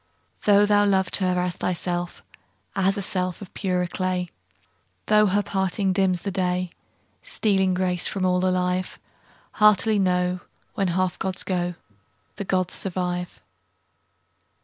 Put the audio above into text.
Though thou loved her as thyself, As a self of purer clay, Though her parting dims the day, Stealing grace from all alive; Heartily know, When half gods go, The gods survive.